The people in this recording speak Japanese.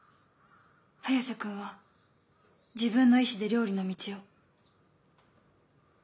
早瀬君は自分の意思で料理の道を。